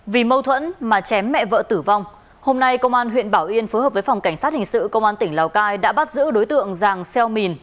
vì mâu thuẫn mà chém mẹ vợ tử vong hôm nay công an huyện bảo yên phối hợp với phòng cảnh sát hình sự công an tỉnh lào cai đã bắt giữ đối tượng giàng xeo mìn